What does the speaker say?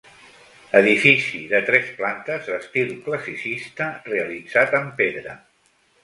Edifici de tres plantes d'estil classicista, realitzat amb pedra.